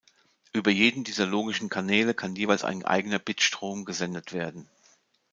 Über jeden dieser logischen Kanäle kann jeweils ein eigener Bitstrom gesendet werden.